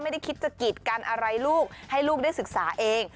ไม่ได้คิดจะกีดกันอะไรลูกให้ลูกได้ศึกษาเอง